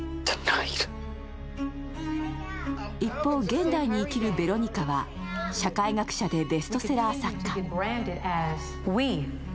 一方、現代に生きるヴェロニカは社会学者でベストセラー作家。